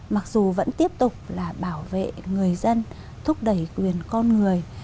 mặc dù vẫn tiếp tục là bảo vệ người dân thúc đẩy quyền con người